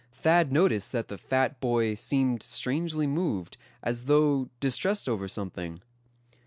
Thad noticed that the fat boy seemed strangely moved, as though distressed over something.